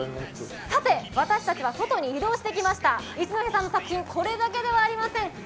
私たちは外に移動してきました、作品はこれだけではありません。